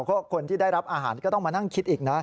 ก็คนที่ได้รับอาหารก็ต้องมานั่งคิดอีกนะ